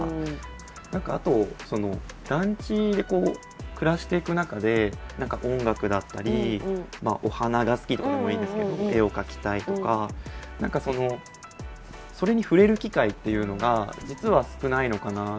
何かあと団地でこう暮らしていく中で何か音楽だったりお花が好きとかでもいいんですけど絵を描きたいとか何かそのそれに触れる機会っていうのが実は少ないのかなって。